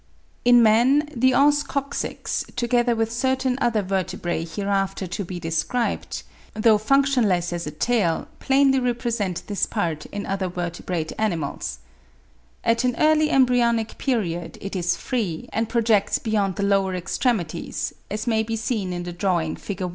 In man, the os coccyx, together with certain other vertebrae hereafter to be described, though functionless as a tail, plainly represent this part in other vertebrate animals. At an early embryonic period it is free, and projects beyond the lower extremities; as may be seen in the drawing (Fig.